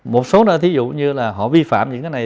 một số nơi thí dụ như là họ vi phạm những cái này